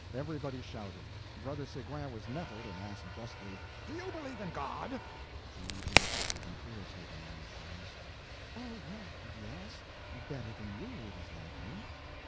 Everybody shouted. Brother Seguin was nettled, and asked brusquely: "Do you believe in God?" Joan answered with an irritating nonchalance: "Oh, well, yes—better than you, it is likely."